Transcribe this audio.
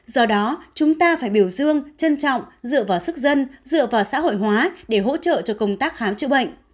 do đó chúng ta phải biểu dương trân trọng dựa vào sức dân dựa vào xã hội hóa để hỗ trợ cho công tác khám chữa bệnh